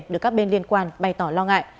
được các bên liên quan bày tỏ lo ngại